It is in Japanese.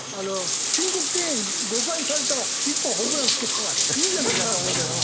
申告敬遠５回されたら１本ホームランつけたほうがいいんじゃねえかと思うけどな。